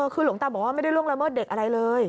คือหลวงตาบอกว่าไม่ได้ล่วงละเมิดเด็กอะไรเลย